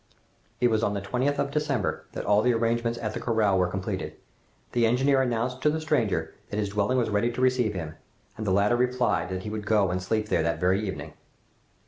It was on the 20th of December that all the arrangements at the corral were completed. The engineer announced to the stranger that his dwelling was ready to receive him, and the latter replied that he would go and sleep there that very evening.